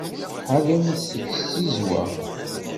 Ḥadremt seg tzizwa.